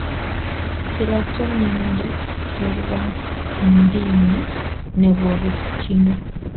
Kiratchon inendet chorwandinnyi nepo rikchindo..